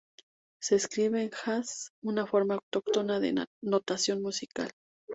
Se escribe en "jaz", una forma autóctona de notación musical.